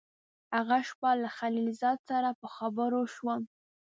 هغه شپه له خلیل زاده سره په خبرو شوم.